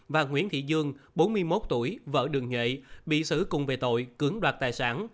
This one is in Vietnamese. và nguyễn thị dương bốn mươi một tuổi vợ đường nhuệ bị xử cùng về tội cưỡng đoạt tài sản